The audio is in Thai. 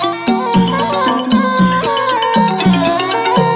กลับมารับทราบ